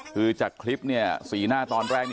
คือจากคลิปสีหน้าตอนแรก